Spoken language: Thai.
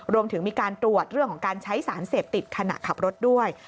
รวมถึงมีการตรวจเรื่องของการใช้สารเสพติดขณะขับรถด้วย